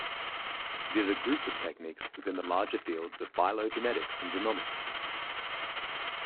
It is a group of techniques within the larger fields of phylogenetics and genomics.